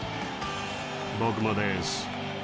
「僕もです」